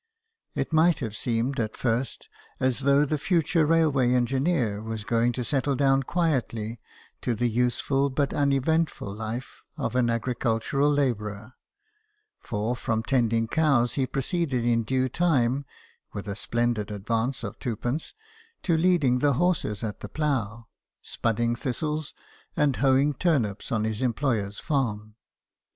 It might have seemed at first as though the future railway engineer was going to settle down quietly to the useful but unevent ful life of an agricultural labourer ; for from tend ing cows he proceeded in due time (with a splen did advance of twopence) to leading the horses at the plough, spudding thistles, and hoeing turnips on his employer's farm.